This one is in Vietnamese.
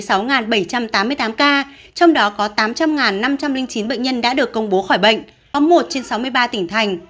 trong đó có một trăm bảy mươi sáu bảy trăm tám mươi tám ca trong đó có tám trăm linh năm trăm linh chín bệnh nhân đã được công bố khỏi bệnh có một trên sáu mươi ba tỉnh thành